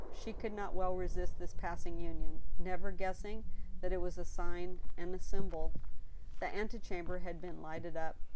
She could not well resist this passing union— never guessing that it was a sign and a symbol. The antechamber had been lighted up.